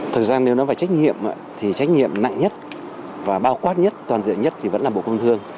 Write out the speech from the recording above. thời gian nếu nói về trách nhiệm thì trách nhiệm nặng nhất và bao quát nhất toàn diện nhất thì vẫn là bộ công thương